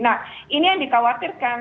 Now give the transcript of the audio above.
nah ini yang dikhawatirkan